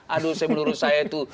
aduh menurut saya itu